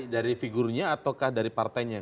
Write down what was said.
dari figurnya ataukah dari partainya